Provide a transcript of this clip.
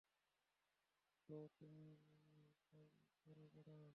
তো তুমি এটাই করে বেড়াও?